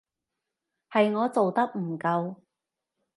係我做得唔夠